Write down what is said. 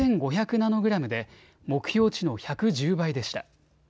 ナノグラムで目標地の１１０倍でした。